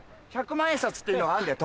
１００万円札っていうのあるんだよ